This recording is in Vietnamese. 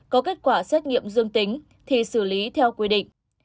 có kết quả xét nghiệm dương tính thì xử lý theo quy định